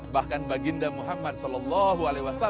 bahkan baginda muhammad saw